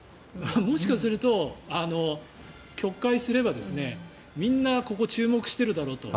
もしかすると、曲解すればみんな、ここ注目してるだろと。